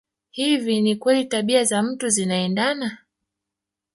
Hivi ni kweli tabia za mtu zinaendana